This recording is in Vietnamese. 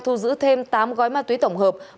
thu giữ thêm tám gói ma túy tổng hợp